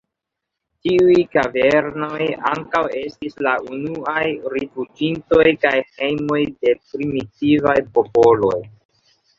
Tiuj kavernoj ankaŭ estis la unuaj rifuĝintoj kaj hejmoj de primitivaj popoloj.